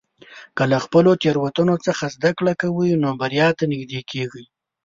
که له خپلو تېروتنو څخه زده کړه کوې، نو بریا ته نږدې کېږې.